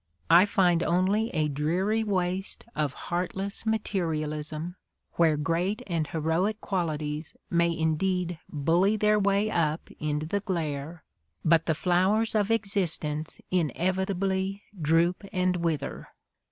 ... I find only a dreary waste of heartless materialism, where great and heroic qualities may indeed bully their way up into the glare, but the flowers of existence inevit ably droop and wither.